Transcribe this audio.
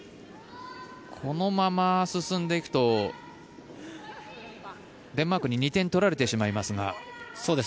このまま進んでいくとデンマークに２点取られてしまいますが。